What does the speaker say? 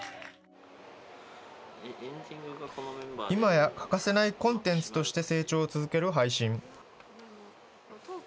いまや欠かせないコンテンツとして成長を続ける配信。